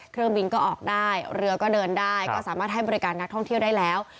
เครื่องบินก็ออกได้เรือก็เดินได้ก็สามารถให้บริการนักท่องเที่ยวได้แล้ว